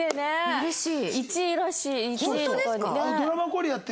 うれしい！